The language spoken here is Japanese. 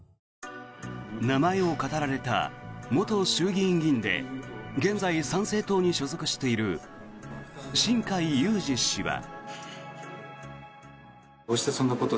名前をかたられた、元衆議員で現在、参政党に所属している新開裕司氏は。